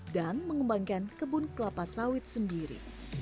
dan mengembangkan kebun kelapa sawit sendiri